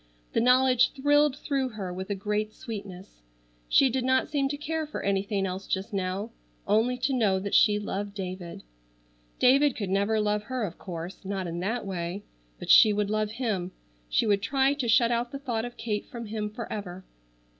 The knowledge thrilled through her with a great sweetness. She did not seem to care for anything else just now, only to know that she loved David. David could never love her of course, not in that way, but she would love him. She would try to shut out the thought of Kate from him forever.